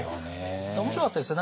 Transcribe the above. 面白かったですよ。